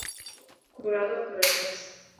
Kurarua karatasi